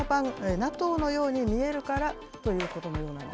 ＮＡＴＯのように見えるからということのよ